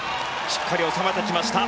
しっかり収めてきました。